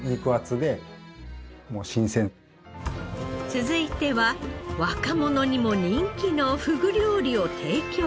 続いては若者にも人気のふぐ料理を提供する店。